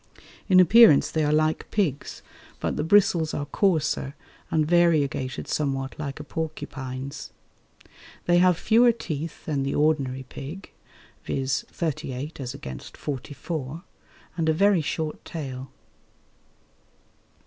In appearance they are like pigs, but the bristles are coarser and variegated somewhat like a porcupine's. They have fewer teeth than the ordinary pig viz. thirty eight as against forty four and a very short tail.